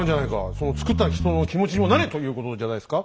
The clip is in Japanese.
その造った人の気持ちにもなれ！ということじゃないですか？